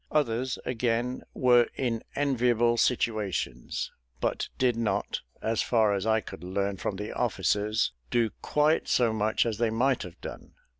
Others, again, were in enviable situations, but did not, as far as I could learn from the officers, do quite so much as they might have done.